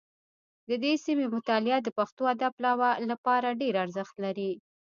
د دې سیمې مطالعه د پښتو ادب لپاره ډېر ارزښت لري